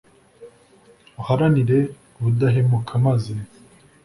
uharanire ubudahemuka, maze